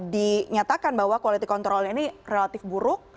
dinyatakan bahwa quality control ini relatif buruk